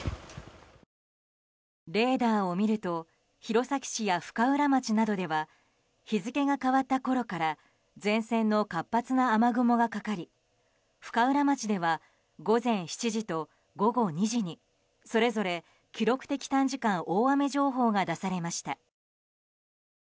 レーダーを見ると弘前市や深浦町などでは日付が変わったころから前線の活発な雨雲がかかり深浦町では午前７時と午後２時にそれぞれ記録的短時間大雨情報が出されました。